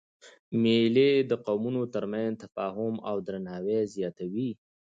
مېلې د قومونو تر منځ تفاهم او درناوی زیاتوي.